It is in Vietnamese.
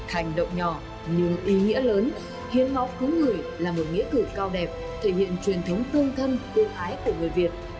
hành động nhỏ nhưng ý nghĩa lớn hiến máu cứu người là một nghĩa cử cao đẹp thể hiện truyền thống tương thân tương ái của người việt